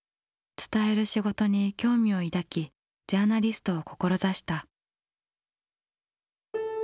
「伝える仕事」に興味を抱きジャーナリストを志した。